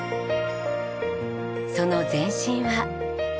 その前身は。